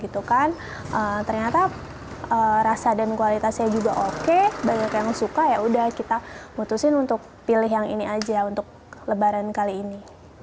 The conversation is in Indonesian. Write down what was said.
ternyata rasa dan kualitasnya juga oke banyak yang suka ya udah kita putusin untuk pilih yang ini aja untuk lebaran kali ini